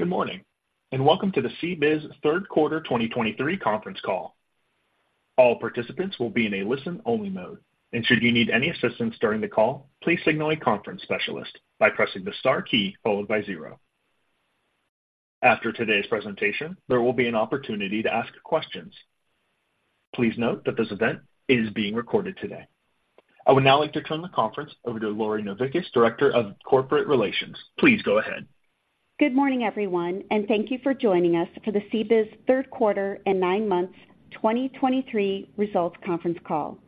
Good morning, and welcome to the CBIZ third quarter 2023 conference call. All participants will be in a listen-only mode, and should you need any assistance during the call, please signal a conference specialist by pressing the star key followed by zero. After today's presentation, there will be an opportunity to ask questions. Please note that this event is being recorded today. I would now like to turn the conference over to Lori Novickis, Director of Corporate Relations. Please go ahead. Good morning, everyone, and thank you for joining us for the CBIZ third quarter and nine months 2023 results conference call.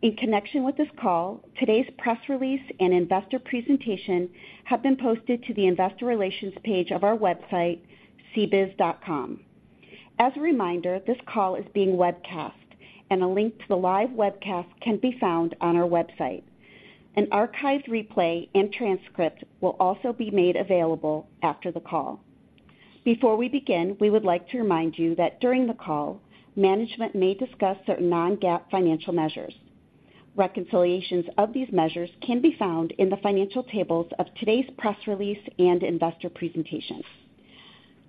In connection with this call, today's press release and investor presentation have been posted to the investor relations page of our website, cbiz.com. As a reminder, this call is being webcast, and a link to the live webcast can be found on our website. An archived replay and transcript will also be made available after the call. Before we begin, we would like to remind you that during the call, management may discuss certain non-GAAP financial measures. Reconciliations of these measures can be found in the financial tables of today's press release and investor presentation.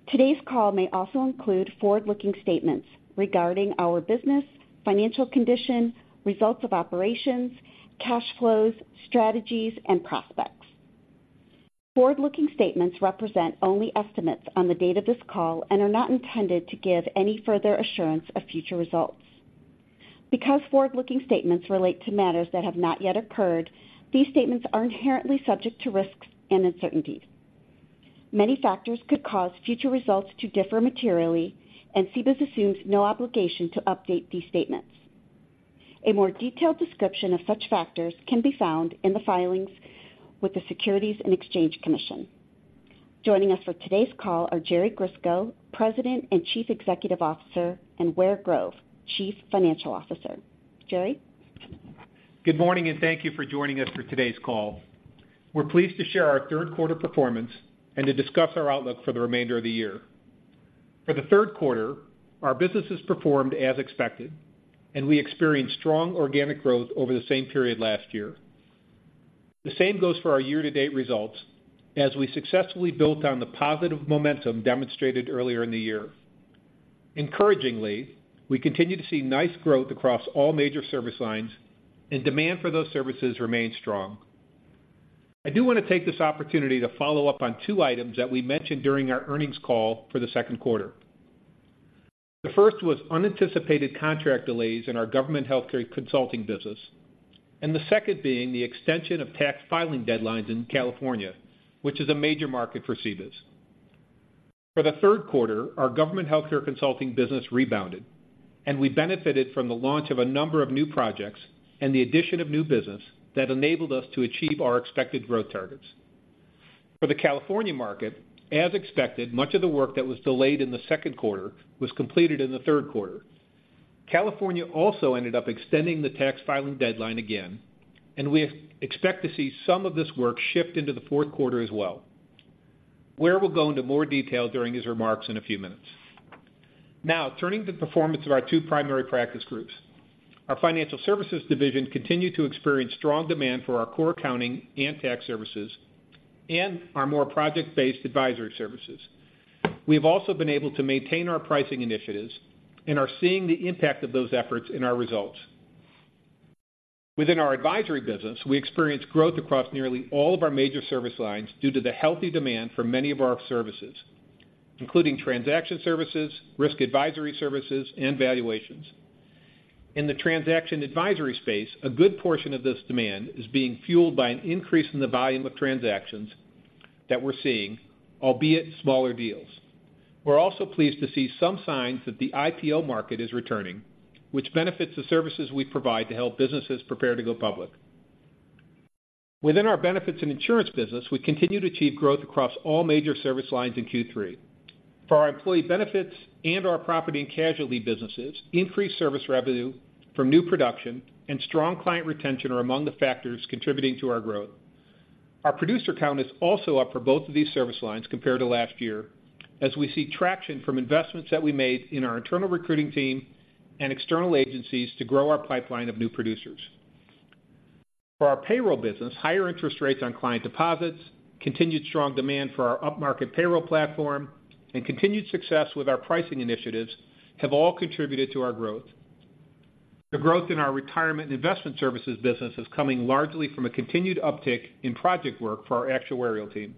Today's call may also include forward-looking statements regarding our business, financial condition, results of operations, cash flows, strategies, and prospects. Forward-looking statements represent only estimates on the date of this call and are not intended to give any further assurance of future results. Because forward-looking statements relate to matters that have not yet occurred, these statements are inherently subject to risks and uncertainties. Many factors could cause future results to differ materially, and CBIZ assumes no obligation to update these statements. A more detailed description of such factors can be found in the filings with the Securities and Exchange Commission. Joining us for today's call are Jerry Grisko, President and Chief Executive Officer, and Ware Grove, Chief Financial Officer. Jerry? Good morning, and thank you for joining us for today's call. We're pleased to share our third quarter performance and to discuss our outlook for the remainder of the year. For the third quarter, our businesses performed as expected, and we experienced strong organic growth over the same period last year. The same goes for our year-to-date results, as we successfully built on the positive momentum demonstrated earlier in the year. Encouragingly, we continue to see nice growth across all major service lines, and demand for those services remains strong. I do want to take this opportunity to follow up on two items that we mentioned during our earnings call for the second quarter. The first was unanticipated contract delays in our Government Healthcare Consulting business, and the second being the extension of tax filing deadlines in California, which is a major market for CBIZ. For the third quarter, our Government Healthcare Consulting business rebounded, and we benefited from the launch of a number of new projects and the addition of new business that enabled us to achieve our expected growth targets. For the California market, as expected, much of the work that was delayed in the second quarter was completed in the third quarter. California also ended up extending the tax filing deadline again, and we expect to see some of this work shift into the fourth quarter as well. Ware will go into more detail during his remarks in a few minutes. Now, turning to the performance of our two primary practice groups. Our Financial Services division continued to experience strong demand for our core Accounting and Tax Services and our more project-based Advisory Services. We have also been able to maintain our pricing initiatives and are seeing the impact of those efforts in our results. Within our Advisory business, we experienced growth across nearly all of our major service lines due to the healthy demand for many of our services, including transaction services, risk advisory services, and valuations. In the transaction advisory space, a good portion of this demand is being fueled by an increase in the volume of transactions that we're seeing, albeit smaller deals. We're also pleased to see some signs that the IPO market is returning, which benefits the services we provide to help businesses prepare to go public. Within our Benefits and Insurance business, we continue to achieve growth across all major service lines in Q3. For our Employee Benefits and our Property and Casualty businesses, increased service revenue from new production and strong client retention are among the factors contributing to our growth. Our producer count is also up for both of these service lines compared to last year, as we see traction from investments that we made in our internal recruiting team and external agencies to grow our pipeline of new producers. For our payroll business, higher interest rates on client deposits, continued strong demand for our upmarket payroll platform, and continued success with our pricing initiatives have all contributed to our growth. The growth in our Retirement and Investment Services business is coming largely from a continued uptick in project work for our actuarial team.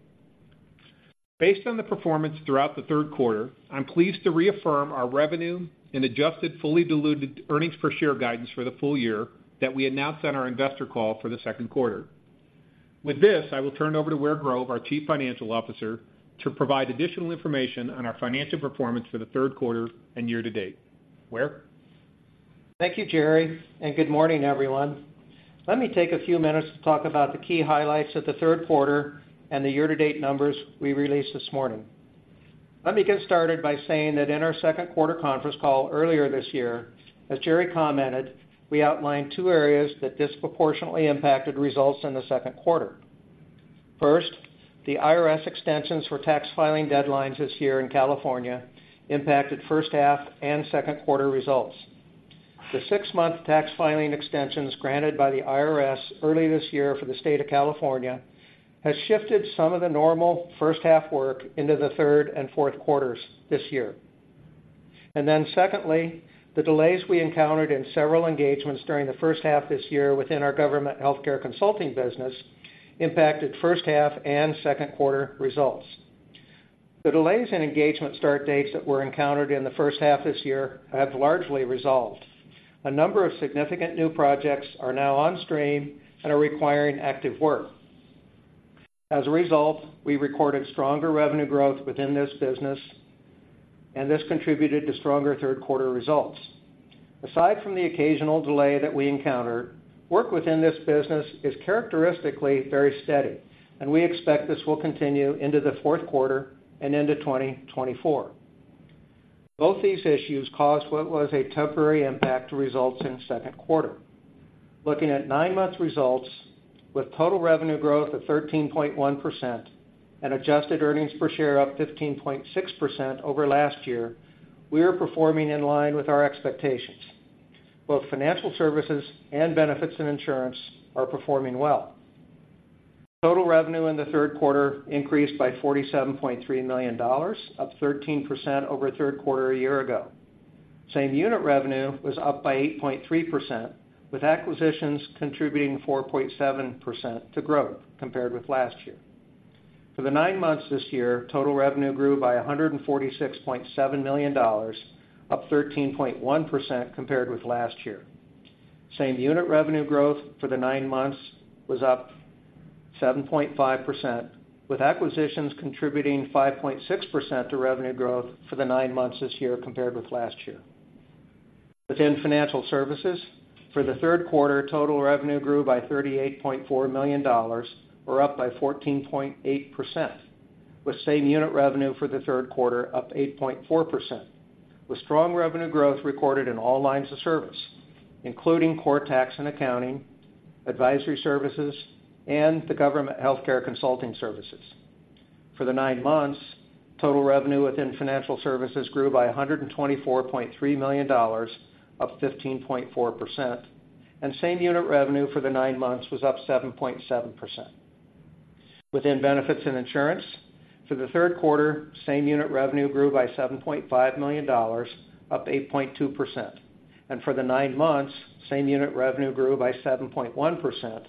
Based on the performance throughout the third quarter, I'm pleased to reaffirm our revenue and adjusted fully diluted earnings per share guidance for the full year that we announced on our investor call for the second quarter. With this, I will turn it over to Ware Grove, our Chief Financial Officer, to provide additional information on our financial performance for the third quarter and year to date. Ware? Thank you, Jerry, and good morning, everyone. Let me take a few minutes to talk about the key highlights of the third quarter and the year-to-date numbers we released this morning. Let me get started by saying that in our second quarter conference call earlier this year, as Jerry commented, we outlined two areas that disproportionately impacted results in the second quarter. First, the IRS extensions for tax filing deadlines this year in California impacted first half and second quarter results. The six-month tax filing extensions granted by the IRS early this year for the state of California, has shifted some of the normal first-half work into the third and fourth quarters this year. And then secondly, the delays we encountered in several engagements during the first half this year within our Government Healthcare Consulting business, impacted first half and second quarter results. The delays in engagement start dates that were encountered in the first half this year have largely resolved. A number of significant new projects are now on stream and are requiring active work. As a result, we recorded stronger revenue growth within this business, and this contributed to stronger third quarter results. Aside from the occasional delay that we encounter, work within this business is characteristically very steady, and we expect this will continue into the fourth quarter and into 2024. Both these issues caused what was a temporary impact to results in the second quarter. Looking at nine-month results, with total revenue growth of 13.1% and adjusted earnings per share up 15.6% over last year, we are performing in line with our expectations. Both Financial Services and Benefits and Insurance are performing well. Total revenue in the third quarter increased by $47.3 million, up 13% over third quarter a year ago. Same-unit revenue was up by 8.3%, with acquisitions contributing 4.7% to growth compared with last year. For the nine months this year, total revenue grew by $146.7 million, up 13.1% compared with last year. Same-unit revenue growth for the nine months was up 7.5%, with acquisitions contributing 5.6% to revenue growth for the nine months this year compared with last year. Within Financial Services, for the third quarter, total revenue grew by $38.4 million, or up by 14.8%, with same-unit revenue for the third quarter up 8.4%, with strong revenue growth recorded in all lines of service, including Core Tax and Accounting, Advisory Services, and the Government Healthcare Consulting Services. For the nine months, total revenue within Financial Services grew by $124.3 million, up 15.4%, and same-unit revenue for the nine months was up 7.7%. Within Benefits and Insurance, for the third quarter, same-unit revenue grew by $7.5 million, up 8.2%. For the nine months, same-unit revenue grew by 7.1%.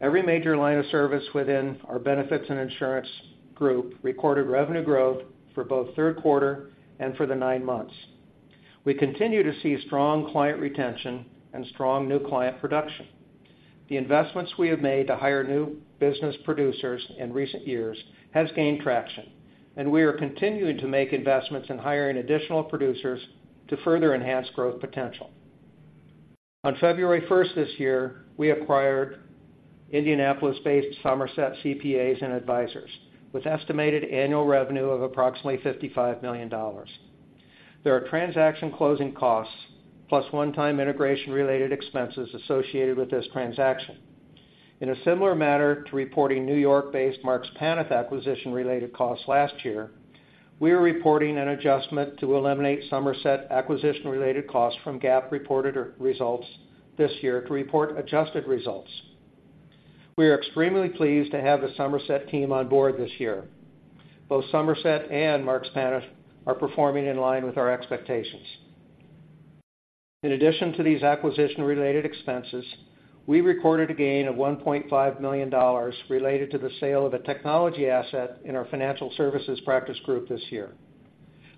Every major line of service within our Benefits and Insurance Group recorded revenue growth for both third quarter and for the nine months. We continue to see strong client retention and strong new client production. The investments we have made to hire new business producers in recent years has gained traction, and we are continuing to make investments in hiring additional producers to further enhance growth potential. On February 1 this year, we acquired Indianapolis-based Somerset CPAs and Advisors, with estimated annual revenue of approximately $55 million. There are transaction closing costs, plus one-time integration-related expenses associated with this transaction. In a similar manner to reporting New York-based Marks Paneth acquisition-related costs last year, we are reporting an adjustment to eliminate Somerset acquisition-related costs from GAAP reported results this year to report adjusted results. We are extremely pleased to have the Somerset team on board this year. Both Somerset and Marks Paneth are performing in line with our expectations. In addition to these acquisition-related expenses, we recorded a gain of $1.5 million related to the sale of a technology asset in our Financial Services practice group this year.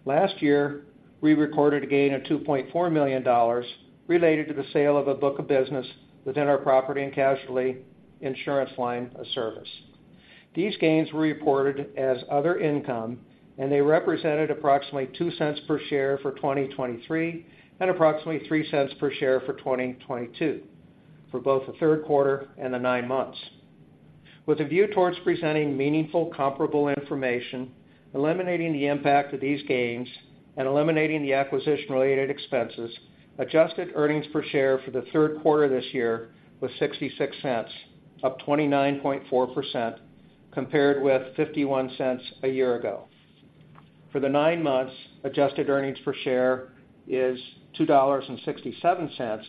Last year, we recorded a gain of $2.4 million related to the sale of a book of business within our Property and Casualty Insurance line of service. These gains were reported as other income, and they represented approximately $0.02 per share for 2023 and approximately $0.03 per share for 2022, for both the third quarter and the nine months. With a view towards presenting meaningful, comparable information, eliminating the impact of these gains and eliminating the acquisition-related expenses, adjusted earnings per share for the third quarter this year was $0.66, up 29.4%, compared with $0.51 a year ago. For the nine months, adjusted earnings per share is $2.67,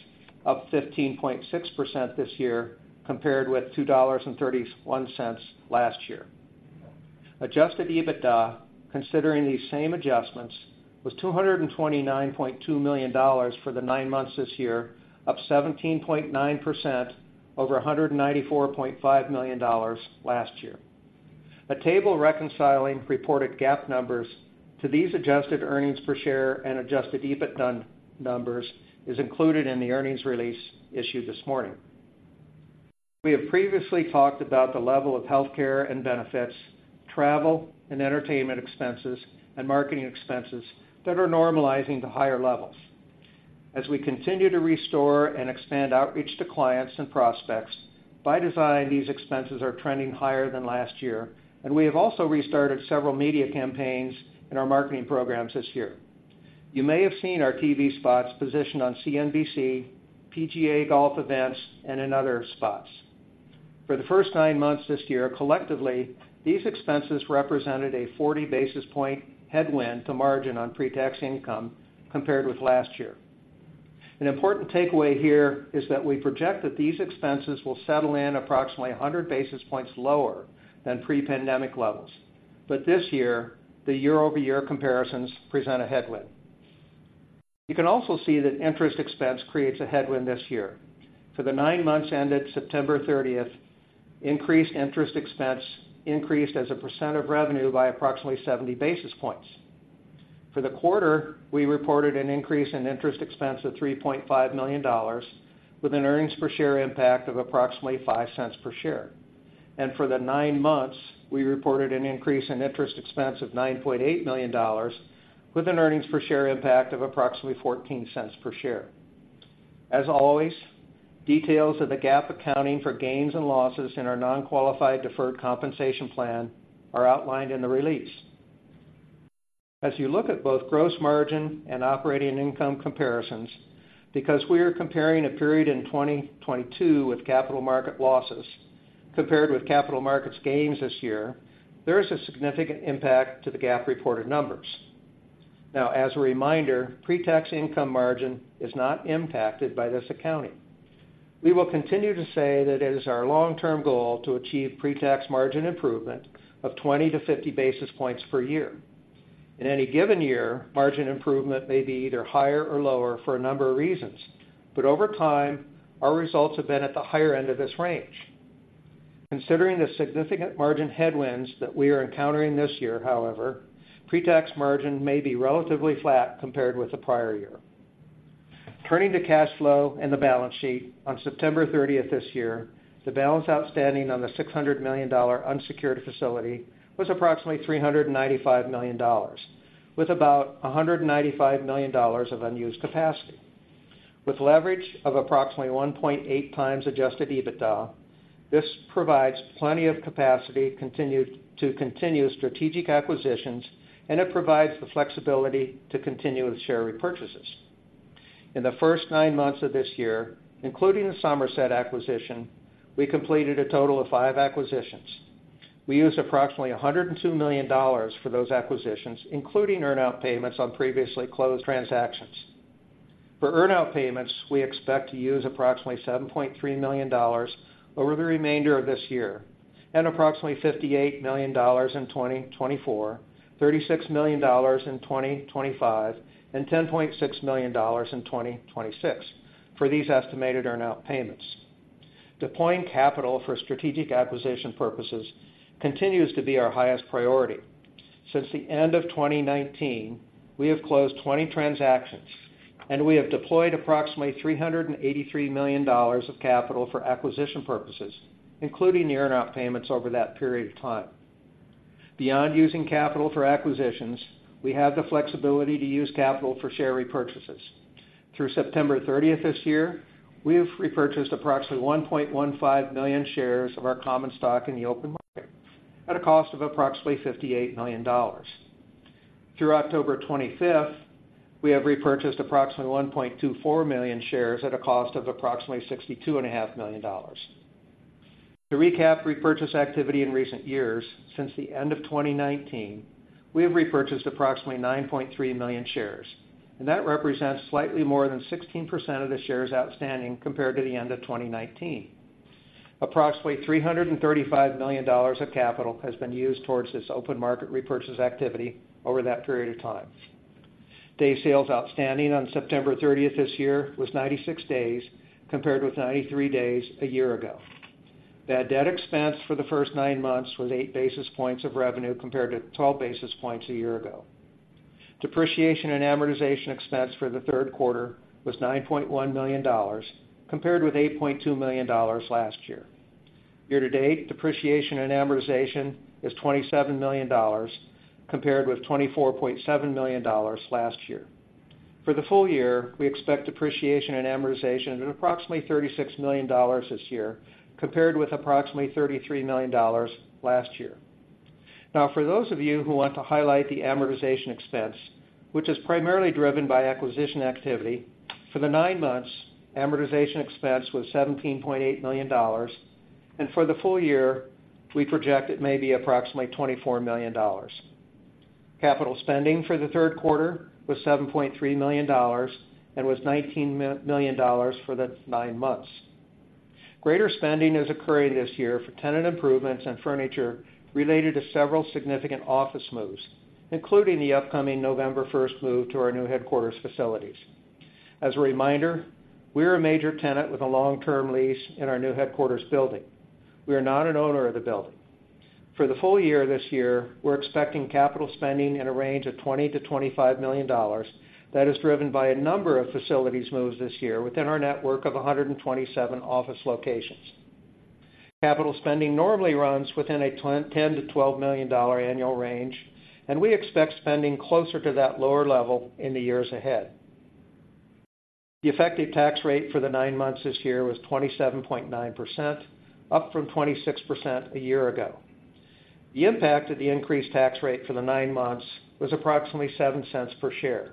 up 15.6% this year, compared with $2.31 last year. Adjusted EBITDA, considering these same adjustments, was $229.2 million for the nine months this year, up 17.9% over $194.5 million last year. A table reconciling reported GAAP numbers to these adjusted earnings per share and Adjusted EBITDA numbers is included in the earnings release issued this morning. We have previously talked about the level of healthcare and benefits, travel and entertainment expenses, and marketing expenses that are normalizing to higher levels. As we continue to restore and expand outreach to clients and prospects, by design, these expenses are trending higher than last year, and we have also restarted several media campaigns in our marketing programs this year. You may have seen our TV spots positioned on CNBC, PGA Golf events, and in other spots. For the first nine months this year, collectively, these expenses represented a 40 basis point headwind to margin on pre-tax income compared with last year. An important takeaway here is that we project that these expenses will settle in approximately 100 basis points lower than pre-pandemic levels. This year, the year-over-year comparisons present a headwind. You can also see that interest expense creates a headwind this year. For the nine months ended September 30, increased interest expense increased as a percent of revenue by approximately 70 basis points. For the quarter, we reported an increase in interest expense of $3.5 million, with an earnings per share impact of approximately $0.05 per share. For the nine months, we reported an increase in interest expense of $9.8 million, with an earnings per share impact of approximately $0.14 per share. As always, details of the GAAP accounting for gains and losses in our non-qualified deferred compensation plan are outlined in the release. As you look at both gross margin and operating income comparisons, because we are comparing a period in 2022 with capital market losses compared with capital markets gains this year, there is a significant impact to the GAAP reported numbers. Now, as a reminder, pre-tax income margin is not impacted by this accounting. We will continue to say that it is our long-term goal to achieve pre-tax margin improvement of 20-50 basis points per year. In any given year, margin improvement may be either higher or lower for a number of reasons, but over time, our results have been at the higher end of this range. Considering the significant margin headwinds that we are encountering this year, however, pre-tax margin may be relatively flat compared with the prior year. Turning to cash flow and the balance sheet, on September 30th this year, the balance outstanding on the $600 million unsecured facility was approximately $395 million, with about $195 million of unused capacity. With leverage of approximately 1.8 times adjusted EBITDA, this provides plenty of capacity to continue strategic acquisitions, and it provides the flexibility to continue with share repurchases. In the first nine months of this year, including the Somerset acquisition, we completed a total of five acquisitions. We used approximately $102 million for those acquisitions, including earn-out payments on previously closed transactions. For earn-out payments, we expect to use approximately $7.3 million over the remainder of this year and approximately $58 million in 2024, $36 million in 2025, and $10.6 million in 2026 for these estimated earn-out payments. Deploying capital for strategic acquisition purposes continues to be our highest priority. Since the end of 2019, we have closed 20 transactions, and we have deployed approximately $383 million of capital for acquisition purposes, including the earn-out payments over that period of time. Beyond using capital for acquisitions, we have the flexibility to use capital for share repurchases. Through September 30 this year, we have repurchased approximately 1.15 million shares of our common stock in the open market at a cost of approximately $58 million. Through October 25, we have repurchased approximately 1.24 million shares at a cost of approximately $62.5 million. To recap repurchase activity in recent years, since the end of 2019, we have repurchased approximately 9.3 million shares, and that represents slightly more than 16% of the shares outstanding compared to the end of 2019. Approximately $335 million of capital has been used towards this open market repurchase activity over that period of time. Days sales outstanding on September 30th this year was 96 days, compared with 93 days a year ago. Bad debt expense for the first nine months was 8 basis points of revenue compared to 12 basis points a year ago. Depreciation and amortization expense for the third quarter was $9.1 million, compared with $8.2 million last year. Year to date, depreciation and amortization is $27 million, compared with $24.7 million last year. For the full year, we expect depreciation and amortization at approximately $36 million this year, compared with approximately $33 million last year. Now, for those of you who want to highlight the amortization expense, which is primarily driven by acquisition activity, for the nine months, amortization expense was $17.8 million, and for the full year, we project it may be approximately $24 million. Capital spending for the third quarter was $7.3 million and was $19 million for the nine months. Greater spending is occurring this year for tenant improvements and furniture related to several significant office moves, including the upcoming November first move to our new headquarters facilities. As a reminder, we are a major tenant with a long-term lease in our new headquarters building. We are not an owner of the building. For the full year this year, we're expecting capital spending in a range of $20 million-$25 million. That is driven by a number of facilities moves this year within our network of 127 office locations. Capital spending normally runs within a $10 million-$12 million annual range, and we expect spending closer to that lower level in the years ahead. The effective tax rate for the nine months this year was 27.9%, up from 26% a year ago.... The impact of the increased tax rate for the nine months was approximately $0.07 per share.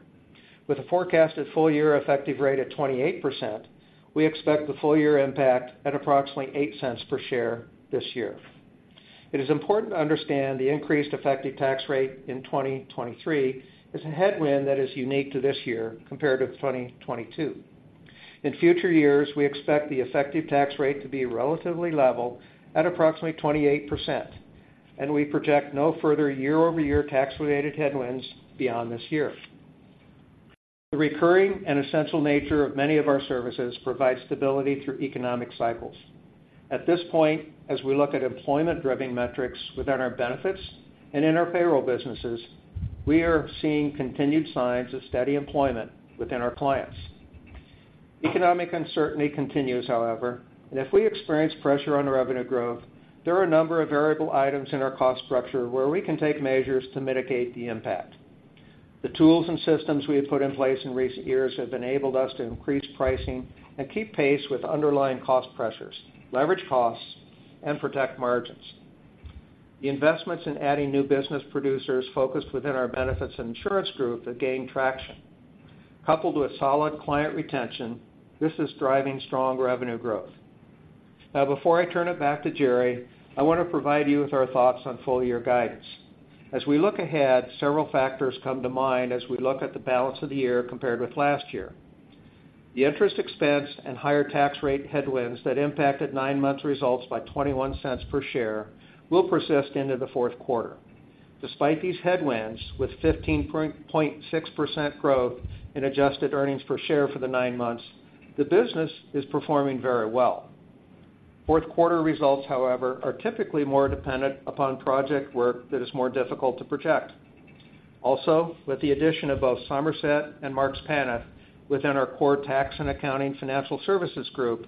With a forecasted full-year effective rate at 28%, we expect the full-year impact at approximately $0.08 per share this year. It is important to understand the increased effective tax rate in 2023 is a headwind that is unique to this year compared to 2022. In future years, we expect the effective tax rate to be relatively level at approximately 28%, and we project no further year-over-year tax-related headwinds beyond this year. The recurring and essential nature of many of our services provide stability through economic cycles. At this point, as we look at employment-driving metrics within our benefits and in our payroll businesses, we are seeing continued signs of steady employment within our clients. Economic uncertainty continues, however, and if we experience pressure on our revenue growth, there are a number of variable items in our cost structure where we can take measures to mitigate the impact. The tools and systems we have put in place in recent years have enabled us to increase pricing and keep pace with underlying cost pressures, leverage costs, and protect margins. The investments in adding new business producers focused within our Benefits and Insurance Group have gained traction. Coupled with solid client retention, this is driving strong revenue growth. Now, before I turn it back to Jerry, I want to provide you with our thoughts on full-year guidance. As we look ahead, several factors come to mind as we look at the balance of the year compared with last year. The interest expense and higher tax rate headwinds that impacted nine months results by $0.21 per share will persist into the fourth quarter. Despite these headwinds, with 15.6% growth in adjusted earnings per share for the nine months, the business is performing very well. Fourth quarter results, however, are typically more dependent upon project work that is more difficult to project. Also, with the addition of both Somerset and Marks Paneth within our core Tax and Accounting Financial Services group,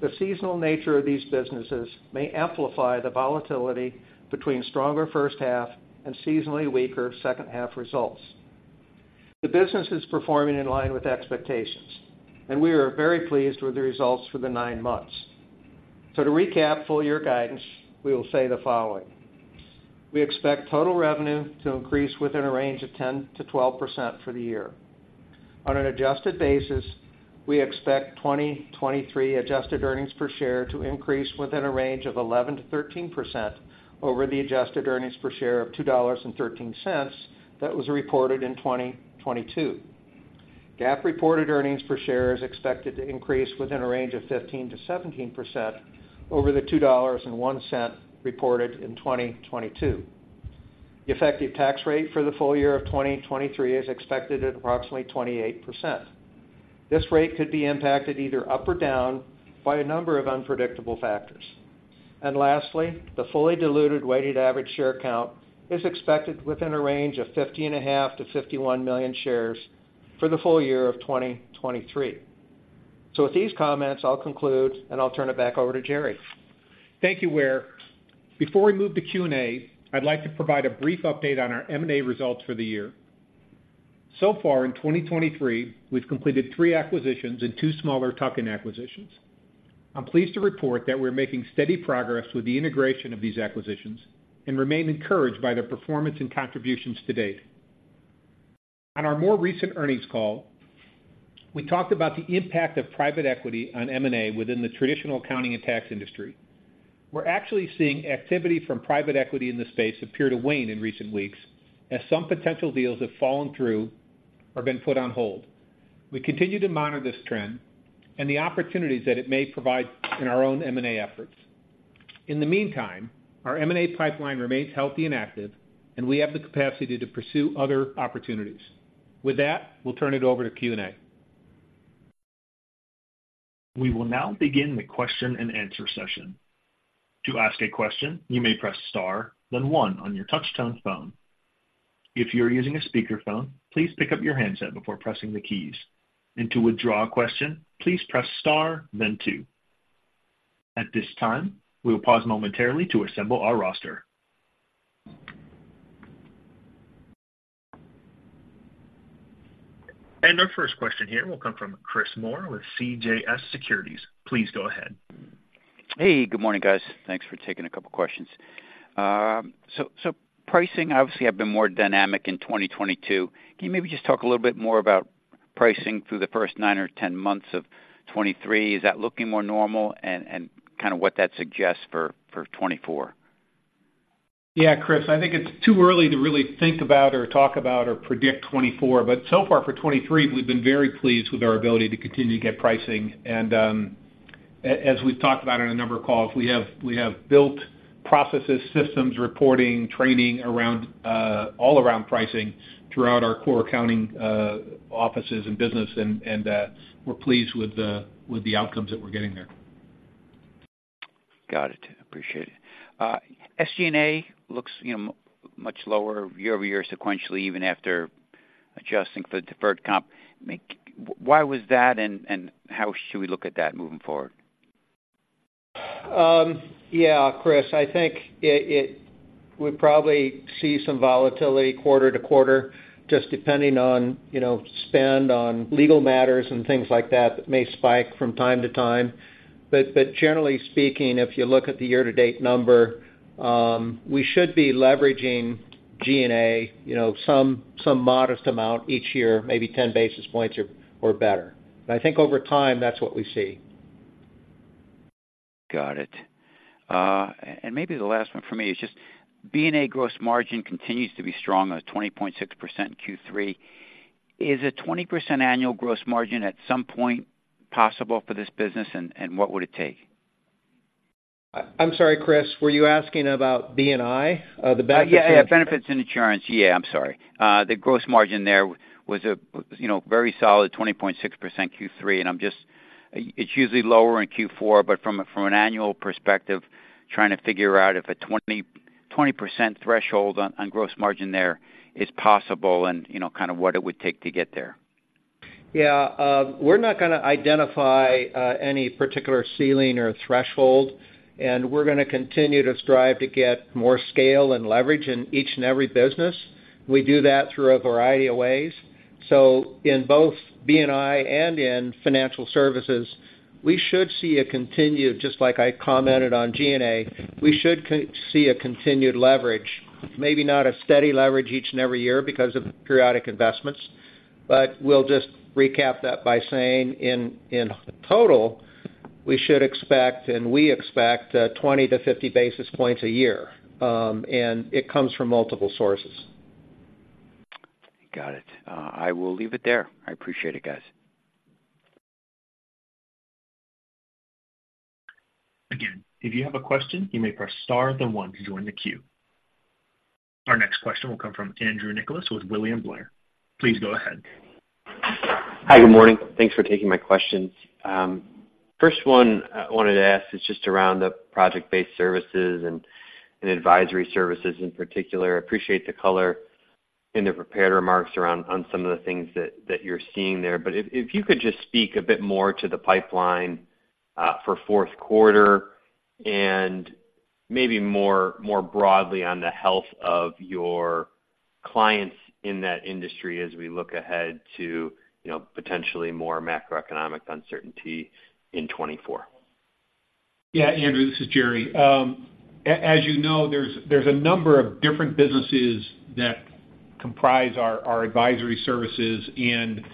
the seasonal nature of these businesses may amplify the volatility between stronger first half and seasonally weaker second half results. The business is performing in line with expectations, and we are very pleased with the results for the nine months. So to recap full year guidance, we will say the following: We expect total revenue to increase within a range of 10%-12% for the year. On an adjusted basis, we expect 2023 adjusted earnings per share to increase within a range of 11%-13% over the adjusted earnings per share of $2.13 that was reported in 2022. GAAP reported earnings per share is expected to increase within a range of 15%-17% over the $2.01 reported in 2022. The effective tax rate for the full year of 2023 is expected at approximately 28%. This rate could be impacted either up or down by a number of unpredictable factors. And lastly, the fully diluted weighted average share count is expected within a range of 50.5 million-51 million shares for the full year of 2023. So with these comments, I'll conclude, and I'll turn it back over to Jerry. Thank you, Ware. Before we move to Q&A, I'd like to provide a brief update on our M&A results for the year. So far, in 2023, we've completed three acquisitions and two smaller tuck-in acquisitions. I'm pleased to report that we're making steady progress with the integration of these acquisitions and remain encouraged by their performance and contributions to date. On our more recent earnings call, we talked about the impact of private equity on M&A within the traditional accounting and tax industry. We're actually seeing activity from private equity in this space appear to wane in recent weeks, as some potential deals have fallen through or been put on hold. We continue to monitor this trend and the opportunities that it may provide in our own M&A efforts. In the meantime, our M&A pipeline remains healthy and active, and we have the capacity to pursue other opportunities. With that, we'll turn it over to Q&A. We will now begin the question-and-answer session. To ask a question, you may press Star, then one on your touchtone phone. If you are using a speakerphone, please pick up your handset before pressing the keys. And to withdraw a question, please press Star then two. At this time, we will pause momentarily to assemble our roster. Our first question here will come from Chris Moore with CJS Securities. Please go ahead. Hey, good morning, guys. Thanks for taking a couple of questions. So pricing obviously have been more dynamic in 2022. Can you maybe just talk a little bit more about pricing through the first nine or 10 months of 2023? Is that looking more normal and kind of what that suggests for 2024? Yeah, Chris, I think it's too early to really think about or talk about or predict 2024, but so far for 2023, we've been very pleased with our ability to continue to get pricing. And, as we've talked about in a number of calls, we have, we have built processes, systems, reporting, training around, all around pricing throughout our core accounting, offices and business, and, and, we're pleased with the, with the outcomes that we're getting there. Got it. Appreciate it. SG&A looks, you know, much lower year over year sequentially, even after adjusting for the deferred comp. I mean, why was that, and how should we look at that moving forward? Yeah, Chris, I think it, we probably see some volatility quarter-to-quarter, just depending on, you know, spend on legal matters and things like that, that may spike from time=to-time.... But generally speaking, if you look at the year-to-date number, we should be leveraging G&A, you know, some modest amount each year, maybe 10 basis points or better. But I think over time, that's what we see. Got it. And maybe the last one for me is just B&I gross margin continues to be strong, at a 20.6% Q3. Is a 20% annual gross margin at some point possible for this business, and, and what would it take? I'm sorry, Chris, were you asking about B&I? The benefits- Yeah, yeah, Benefits and Insurance. Yeah, I'm sorry. The gross margin there was, you know, very solid, 20.6% Q3, and I'm just. It's usually lower in Q4, but from an annual perspective, trying to figure out if a 20, 20% threshold on gross margin there is possible and, you know, kind of what it would take to get there. Yeah, we're not gonna identify any particular ceiling or threshold, and we're gonna continue to strive to get more scale and leverage in each and every business. We do that through a variety of ways. So in both B&I and in Financial Services, we should see a continued... Just like I commented on G&A, we should see a continued leverage, maybe not a steady leverage each and every year because of periodic investments. But we'll just recap that by saying in total, we should expect, and we expect, 20-50 basis points a year, and it comes from multiple sources. Got it. I will leave it there. I appreciate it, guys. Again, if you have a question, you may press Star, then one, to join the queue. Our next question will come from Andrew Nicholas with William Blair. Please go ahead. Hi, good morning. Thanks for taking my questions. First one I wanted to ask is just around the project-based services and Advisory Services in particular. I appreciate the color in the prepared remarks around on some of the things that you're seeing there. But if you could just speak a bit more to the pipeline for fourth quarter and maybe more broadly on the health of your clients in that industry as we look ahead to, you know, potentially more macroeconomic uncertainty in 2024. Yeah, Andrew, this is Jerry. As you know, there's a number of different businesses that comprise our Advisory Services, and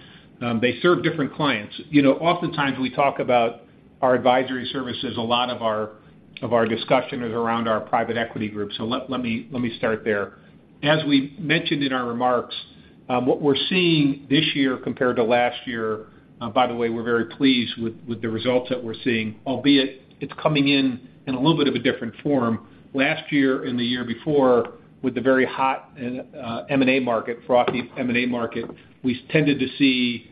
they serve different clients. You know, oftentimes we talk about our Advisory Services, a lot of our discussion is around our private equity group. So let me start there. As we mentioned in our remarks, what we're seeing this year compared to last year, by the way, we're very pleased with the results that we're seeing, albeit it's coming in in a little bit of a different form. Last year and the year before, with the very hot and M&A market, frothy M&A market, we tended to see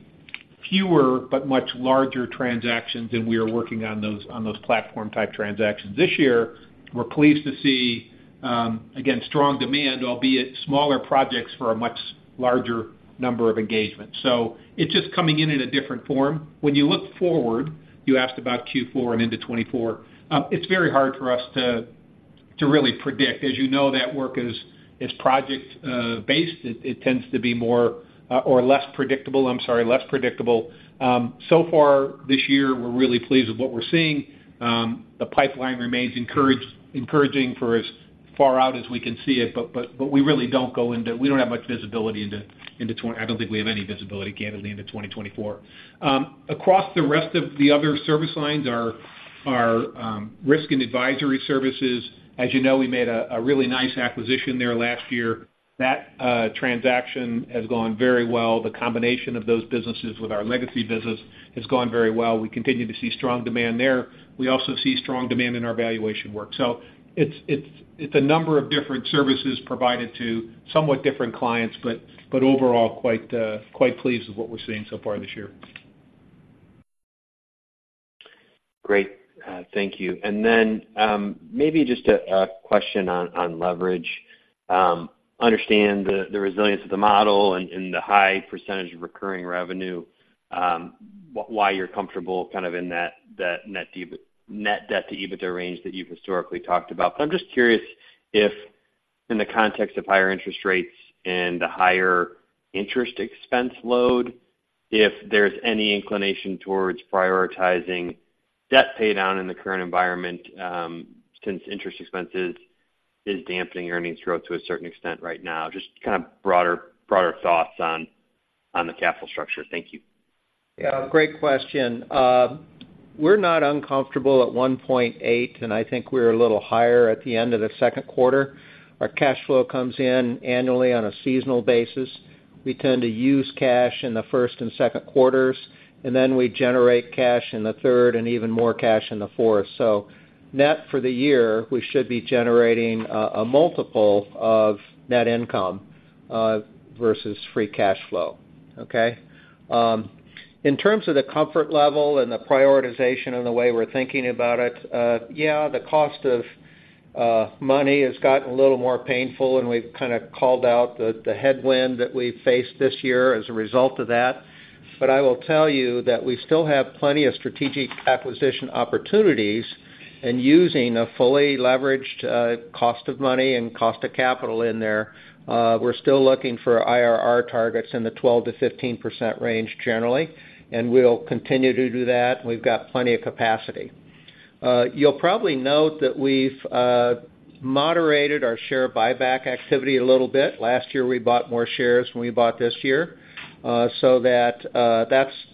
fewer but much larger transactions, and we are working on those platform-type transactions. This year, we're pleased to see, again, strong demand, albeit smaller projects for a much larger number of engagements. So it's just coming in in a different form. When you look forward, you asked about Q4 and into 2024, it's very hard for us to really predict. As you know, that work is project based. It tends to be more or less predictable, I'm sorry, less predictable. So far this year, we're really pleased with what we're seeing. The pipeline remains encouraging for as far out as we can see it, but we really don't go into-- We don't have much visibility into-- I don't think we have any visibility, candidly, into 2024. Across the rest of the other service lines, our Risk and Advisory Services, as you know, we made a really nice acquisition there last year. That transaction has gone very well. The combination of those businesses with our legacy business has gone very well. We continue to see strong demand there. We also see strong demand in our valuation work. So it's a number of different services provided to somewhat different clients, but overall, quite pleased with what we're seeing so far this year. Great. Thank you. And then, maybe just a question on leverage. Understand the resilience of the model and the high percentage of recurring revenue, why you're comfortable kind of in that net debt to EBITDA range that you've historically talked about. But I'm just curious if, in the context of higher interest rates and the higher interest expense load, if there's any inclination towards prioritizing debt paydown in the current environment, since interest expenses is dampening earnings growth to a certain extent right now. Just kind of broader thoughts on the capital structure. Thank you. Yeah, great question. We're not uncomfortable at 1.8x, and I think we're a little higher at the end of the second quarter. Our cash flow comes in annually on a seasonal basis. We tend to use cash in the first and second quarters, and then we generate cash in the third and even more cash in the fourth. So net for the year, we should be generating a multiple of net income versus free cash flow, okay? In terms of the comfort level and the prioritization and the way we're thinking about it, yeah, the cost of money has gotten a little more painful, and we've kind of called out the headwind that we've faced this year as a result of that. But I will tell you that we still have plenty of strategic acquisition opportunities. Using a fully leveraged, cost of money and cost of capital in there, we're still looking for IRR targets in the 12%-15% range generally, and we'll continue to do that. We've got plenty of capacity. You'll probably note that we've moderated our share buyback activity a little bit. Last year, we bought more shares than we bought this year, so that's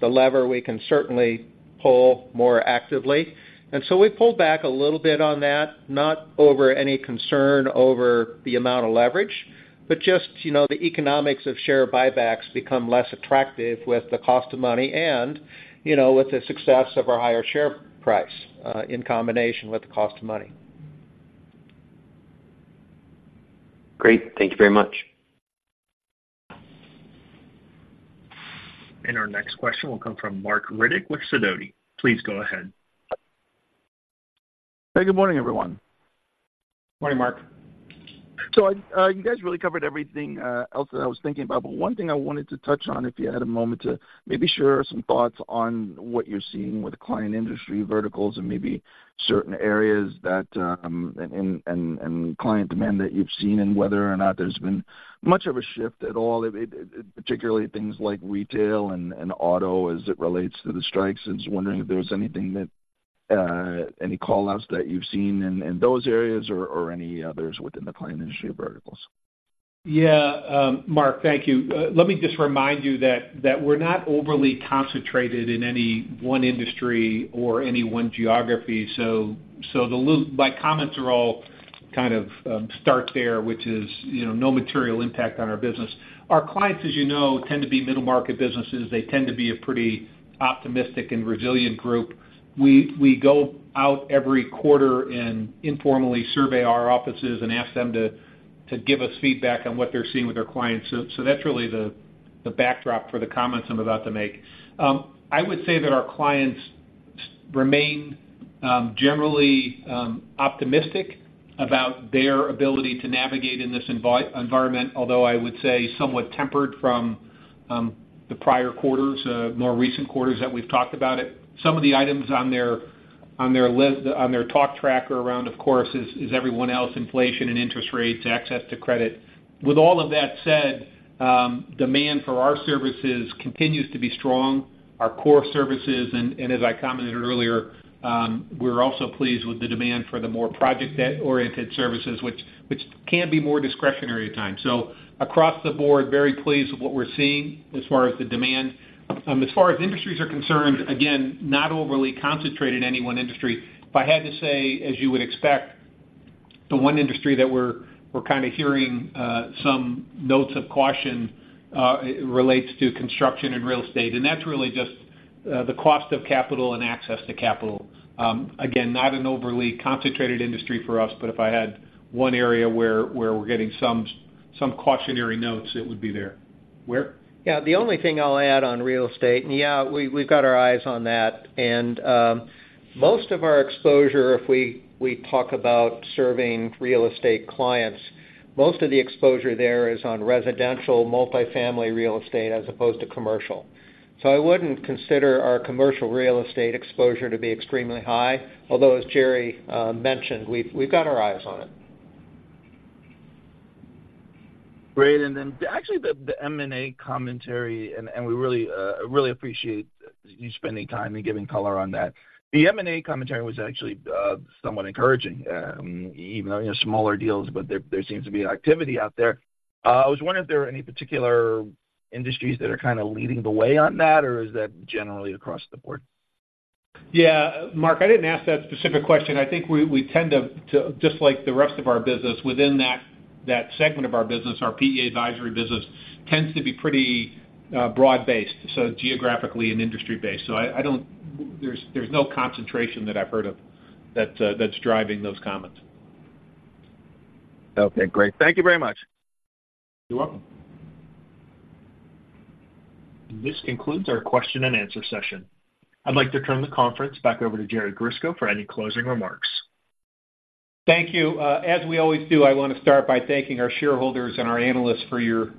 the lever we can certainly pull more actively. And so we pulled back a little bit on that, not over any concern over the amount of leverage, but just, you know, the economics of share buybacks become less attractive with the cost of money and, you know, with the success of our higher share price, in combination with the cost of money. Great. Thank you very much. Our next question will come from Marc Riddick with Sidoti. Please go ahead. Hey, good morning, everyone. Morning, Marc. I-- you guys really covered everything else that I was thinking about, but one thing I wanted to touch on, if you had a moment, to maybe share some thoughts on what you're seeing with the client industry verticals and maybe certain areas that, and, and, and client demand that you've seen and whether or not there's been much of a shift at all, particularly things like retail and, and auto, as it relates to the strikes. I was wondering if there was anything that, any call-outs that you've seen in, in those areas or, or any others within the client industry verticals. Yeah, Mark, thank you. Let me just remind you that we're not overly concentrated in any one industry or any one geography, so my comments are all kind of start there, which is, you know, no material impact on our business. Our clients, as you know, tend to be middle-market businesses. They tend to be a pretty optimistic and resilient group. We go out every quarter and informally survey our offices and ask them to give us feedback on what they're seeing with their clients. So that's really the backdrop for the comments I'm about to make. I would say that our clients remain generally optimistic about their ability to navigate in this environment, although I would say somewhat tempered from the prior quarters, more recent quarters that we've talked about it. Some of the items on their, on their, on their talk tracker around, of course, is, is everyone else, inflation and interest rates, access to credit. With all of that said, demand for our services continues to be strong, our core services, and, and as I commented earlier, we're also pleased with the demand for the more project debt-oriented services, which, which can be more discretionary time. Across the board, very pleased with what we're seeing as far as the demand. As far as industries are concerned, again, not overly concentrated in any one industry. If I had to say, as you would expect, the one industry that we're, we're kind of hearing some notes of caution relates to construction and real estate, and that's really just the cost of capital and access to capital. Again, not an overly concentrated industry for us, but if I had one area where we're getting some cautionary notes, it would be there. Ware? Yeah, the only thing I'll add on real estate, and yeah, we've got our eyes on that. And, most of our exposure, if we talk about serving real estate clients, most of the exposure there is on residential, multifamily real estate as opposed to commercial. So I wouldn't consider our commercial real estate exposure to be extremely high, although, as Jerry mentioned, we've got our eyes on it. Great. The M&A commentary, and we really, really appreciate you spending time and giving color on that. The M&A commentary was actually somewhat encouraging, even though you smaller deals, but there seems to be activity out there. I was wondering if there are any particular industries that are kind of leading the way on that, or is that generally across the board? Yeah, Marc, I didn't ask that specific question. I think we tend to, just like the rest of our business, within that segment of our business, our PE advisory business tends to be pretty broad-based, so geographically and industry-based. So I don't... There's no concentration that I've heard of that's driving those comments. Okay, great. Thank you very much. You're welcome. This concludes our question and answer session. I'd like to turn the conference back over to Jerry Grisko for any closing remarks. Thank you. As we always do, I want to start by thanking our shareholders and our analysts for your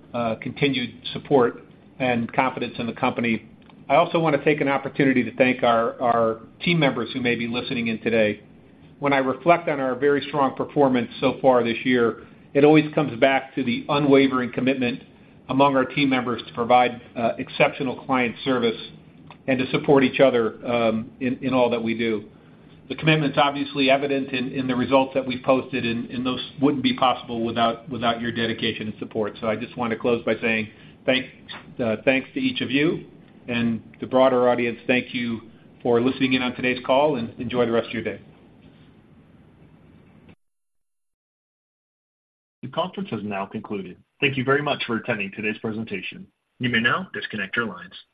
continued support and confidence in the company. I also want to take an opportunity to thank our team members who may be listening in today. When I reflect on our very strong performance so far this year, it always comes back to the unwavering commitment among our team members to provide exceptional client service and to support each other in all that we do. The commitment's obviously evident in the results that we've posted, and those wouldn't be possible without your dedication and support. So I just want to close by saying thanks, thanks to each of you and the broader audience. Thank you for listening in on today's call and enjoy the rest of your day. The conference has now concluded. Thank you very much for attending today's presentation. You may now disconnect your lines.